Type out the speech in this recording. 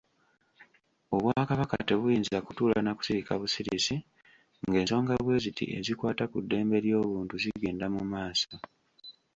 Obwakabaka tebuyinza kutuula na kusirika busirisi ng'ensonga bweziti ezikwata ku ddembe ly'obuntu zigenda mu maaso.